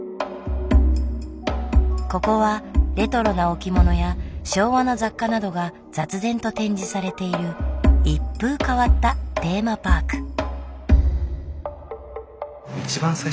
ここはレトロな置物や昭和の雑貨などが雑然と展示されている一風変わったテーマパーク。